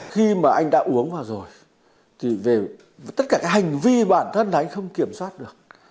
khi mà anh đã uống vào rồi thì về tất cả cái hành vi bản thân là anh không kiểm soát được